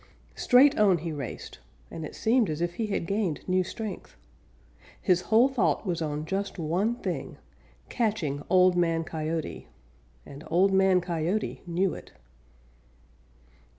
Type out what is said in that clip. Straight on he raced and it seemed as if he had gained new strength. His whole thought was on just one thing catching Old Man Coyote, and Old Man Coyote knew it.